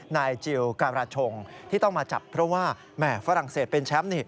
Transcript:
นายจิลการาชงที่ต้องมาจับเพราะว่าแหม่ฝรั่งเศสเป็นแชมป์นี่